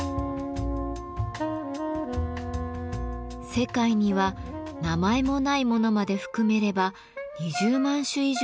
世界には名前もないものまで含めれば２０万種以上あるといわれるきのこ。